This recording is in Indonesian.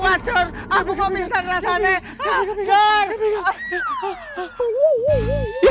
kacor aku mau pingsan rasanya